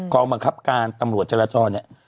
กองบังคับการตำรวจจรจร